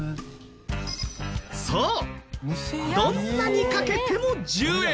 そうどんなにかけても１０円。